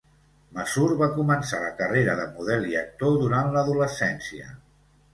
Mazur va començar la carrera de model i actor durant l'adolescència.